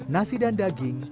nasi dan daging